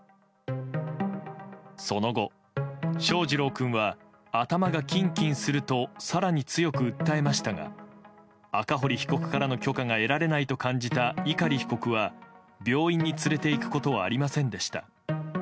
その後、翔士郎君は頭がキンキンすると更に強く訴えましたが赤堀被告からの許可が得られないと感じた碇被告は病院に連れていくことはありませんでした。